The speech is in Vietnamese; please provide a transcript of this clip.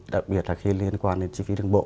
đặc biệt là khi liên quan đến chi phí đường bộ